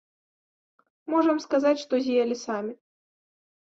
Можам сказаць, што з'елі самі.